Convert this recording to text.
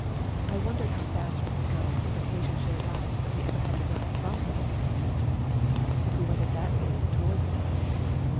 I wondered how fast we could go if occasion should arise that we ever had to run away from the Bul garians, if we w^ent at that pace towards them.